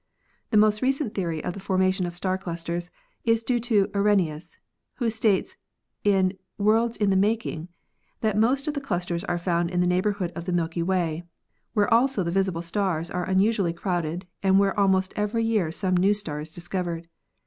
The most recent theory of the formation of star clusters is due to Arrhenius, who states in "Worlds in the Making" that most of the clusters are found in the neighborhood of the Milky Way, where also the visible stars are unusually crowded and where almost every year some new star is discovered.